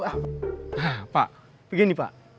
hah pak begini pak